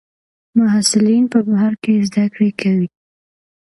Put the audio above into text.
محصلین په بهر کې زده کړې کوي.